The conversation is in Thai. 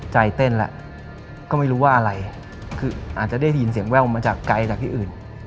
ใจเต้นแล้วก็ไม่รู้ว่าอะไรคืออาจจะได้ยินเสียงแว่วมาจากไกลจากที่อื่น